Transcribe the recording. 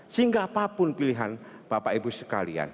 sehingga apapun pilihan bapak ibu sekalian